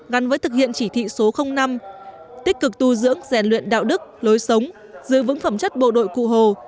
gắn với thực hiện chỉ thị số năm tích cực tu dưỡng rèn luyện đạo đức lối sống giữ vững phẩm chất bộ đội cụ hồ